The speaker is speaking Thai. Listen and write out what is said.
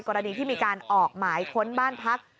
กรณีที่มีการออกหมายขนบ้านภัคษณ์